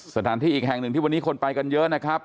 สถานที่อีกแห่งหนึ่งที่วันนี้คนไปกันเยอะนะครับ